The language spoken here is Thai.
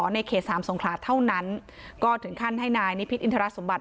ในเขตสามสงขลาเท่านั้นก็ถึงขั้นให้นายนิพิษอินทรสมบัติ